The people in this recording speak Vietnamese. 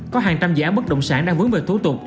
có hàng trăm dự án bất động sản đang vướng về thủ tục